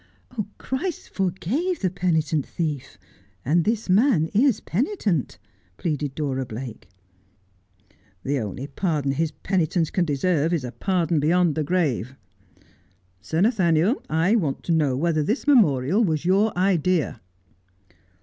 ' Christ forgave the penitent thief ; and this man is penitent,' pleaded Dora Blake. ' The only pardon his penitence can deserve is a pardon be yond the grave. Sir Nathaniel, I want to know whether this memorial was your idea